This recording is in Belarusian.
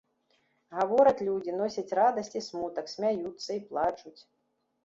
Гавораць людзі, носяць радасць і смутак, смяюцца і плачуць.